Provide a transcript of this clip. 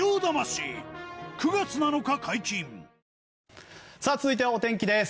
続く続いてはお天気です。